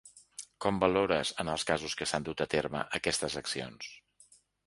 Com valores, en els casos que s’han dut a terme, aquestes accions?